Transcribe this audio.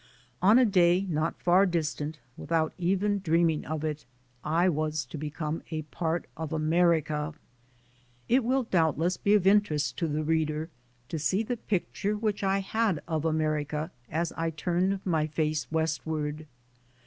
On a day not far distant, without even dreaming of it, I was to become a part of America. It will doubtless be of interest to the reader to see the picture which I had of America as I AMERICA 59 turned my face westward.